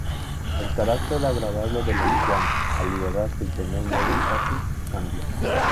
El carácter agradable del anciano, al liberarse y tener nuevo estatus, cambia.